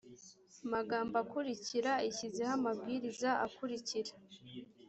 magambo akurikira ishyizeho amabwiriza akurikira